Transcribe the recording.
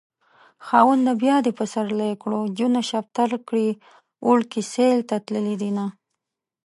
خاونده بيا دې پسرلی کړو جونه شفتل کړي وړکي سيل ته تللي دينه